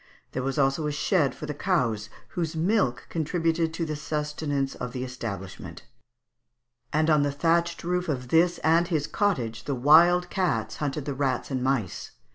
There was also a shed for the cows, whose milk contributed to the sustenance of the establishment; and on the thatched roof of this and his cottage the wild cats hunted the rats and mice.